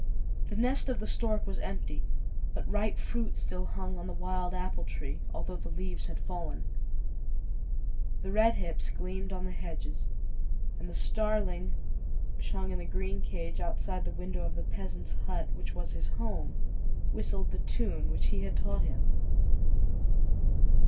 The nest of the stork was empty, but ripe fruit still hung on the wild apple tree, although the leaves had fallen. The red hips gleamed on the hedges, and the starling which hung in the green cage outside the window of the peasant's hut, which was his home, whistled the tune which he had taught him.